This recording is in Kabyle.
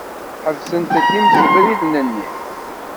Ḥebsent-d imsebriden-nni.